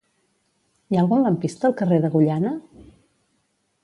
Hi ha algun lampista al carrer d'Agullana?